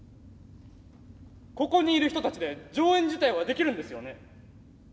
ここにいる人たちで上演自体はできるんですよね？